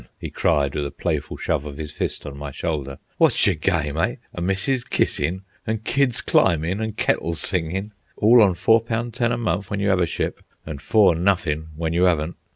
he cried, with a playful shove of his fist on my shoulder. "Wot's yer game, eh? A missus kissin' an' kids clim'in', an' kettle singin', all on four poun' ten a month w'en you 'ave a ship, an' four nothin' w'en you 'aven't.